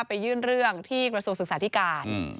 ไปยื่นเรื่องที่กระทรวงศึกษาธิการ